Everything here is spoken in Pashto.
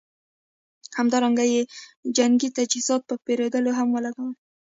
همدارنګه یې جنګي تجهیزاتو په پېرودلو هم ولګول.